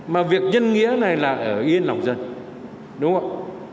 mà việc nhân nghĩa này là ở yên lòng dân đúng không